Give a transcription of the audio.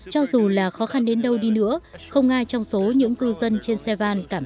cho dù là khó khăn đến đâu đi nữa không ai trong số những cư dân trên xe van cảm